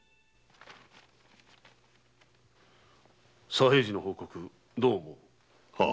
左平次の報告どう思う？